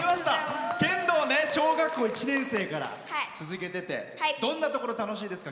剣道、小学校１年生から続けてて、どんなところ楽しいですか？